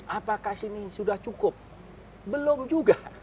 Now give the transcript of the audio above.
apakah sini sudah cukup belum juga